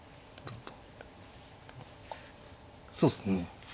そうですね。